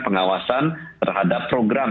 pengawasan terhadap program